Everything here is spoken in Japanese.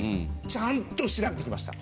ちゃんと調べてきました。